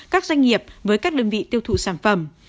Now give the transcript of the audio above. các doanh nghiệp với các đơn vị tiêu thụ sản phẩm